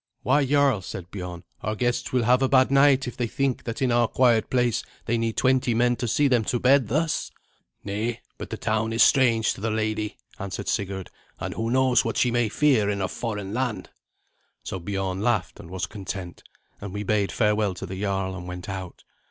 "Why, jarl," said Biorn, "our guests will have a bad night if they think that in our quiet place they need twenty men to see them to bed thus!" "Nay, but the town is strange to the lady," answered Sigurd; "and who knows what she may fear in a foreign land!" So Biorn laughed, and was content; and we bade farewell to the jarl, and went out.